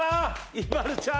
ＩＭＡＬＵちゃん